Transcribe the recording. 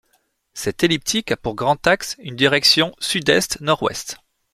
Cet elliptique a pour grand axe une direction sud-est - nord-ouest.